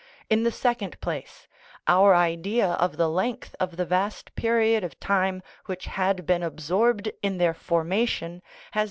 In the second place, our idea of the length of the vast period of time which had been absorbed in their formation has been consid *Cf.